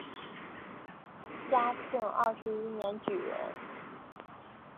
嘉庆二十一年举人。